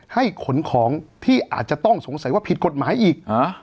ขนของที่อาจจะต้องสงสัยว่าผิดกฎหมายอีก